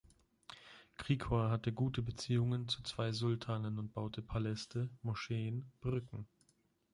Krikor hatte gute Beziehungen zu zwei Sultanen und baute Paläste, Moscheen, Brücken.